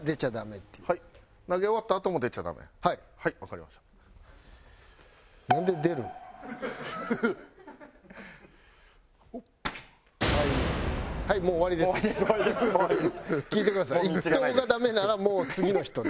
１投がダメならもう次の人です。